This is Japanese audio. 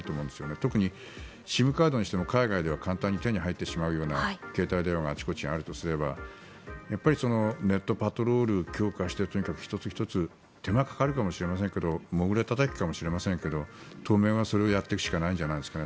特にＳＩＭカードにしても海外では簡単に手に入ってしまうような携帯電話があちこちにあるとすればやっぱりネットパトロールを強化してとにかく１つ１つ手間はかかるかもしれませんがモグラたたきかもしれませんが当面はそれをやっていくしかないんじゃないですかね。